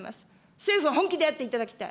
政府は本気でやっていただきたい。